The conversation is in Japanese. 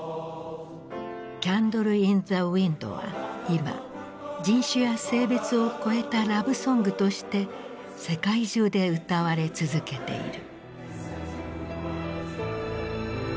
「キャンドル・イン・ザ・ウインド」は今人種や性別を越えたラブソングとして世界中で歌われ続けている。